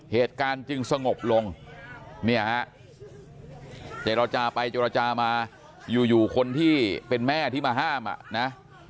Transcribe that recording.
เหตุการณ์จึงสงบลงเนี่ยฮะเจรจาไปเจรจามาอยู่คนที่เป็นแม่ที่มาห้ามอ่ะนะ